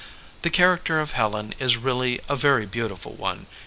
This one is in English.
The character of Helen is really a very beautiful one.